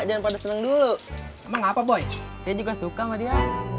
jangan pada seneng dulu emang apa boy saya juga suka sama dia